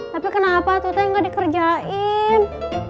tapi kenapa tuh teh nggak dikerjain